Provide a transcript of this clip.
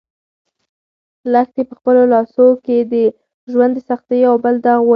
لښتې په خپلو لاسو کې د ژوند د سختیو یو بل داغ ولید.